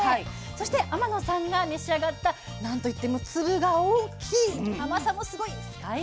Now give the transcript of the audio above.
そして天野さんが召し上がった何と言っても粒が大きい甘さもすごいスカイベリー。